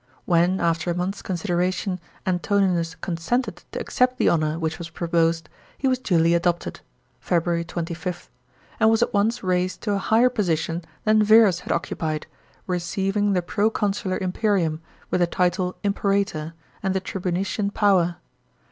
When, after a month's consideration, Antoninus consented to accept the honour which was proposed, he was duly adopted (February 25th), and was at once raised to a higher position than Verus had occupied, receiving the proconsular im perium, with the title Imperator, and the tribunician power.